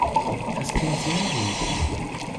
Das klingt sehr gut.